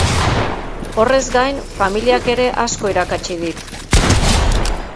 Horrez gain, familiak ere asko irakatsi dit.